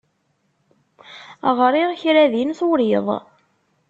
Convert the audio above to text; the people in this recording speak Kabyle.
Ɣriɣ kra din turiḍ.